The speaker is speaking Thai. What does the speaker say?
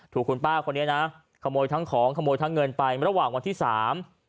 ถูกคุณป้าคนนี้นะขโมยทั้งของขโมยทั้งเงินไประหว่างวันที่สาม